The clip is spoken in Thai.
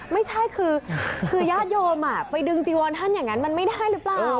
ไม่ใช่คือญาติโยมไปดึงจีวอนท่านอย่างนั้นมันไม่ได้หรือเปล่า